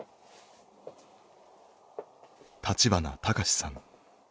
立花隆さん。